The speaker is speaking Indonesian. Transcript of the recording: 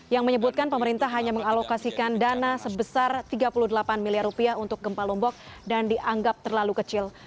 yang menyebutkan pemerintah hanya mengalokasikan dana sebesar tiga puluh delapan miliar rupiah untuk gempa lombok dan dianggap terlalu kecil